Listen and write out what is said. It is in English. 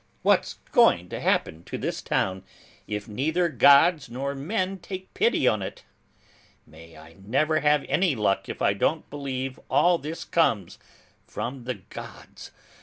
What's going to happen to this town, if neither gods nor men take pity on it? May I never have any luck if I don't believe all this comes from the gods!